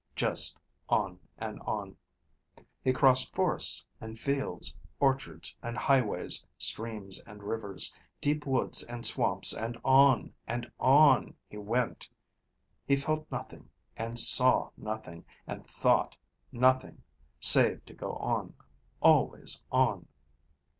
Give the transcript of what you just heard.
Just on and on. He crossed forests and fields, orchards and highways, streams and rivers, deep woods and swamps, and on, and on he went. He felt nothing, and saw nothing, and thought nothing, save to go on, always on.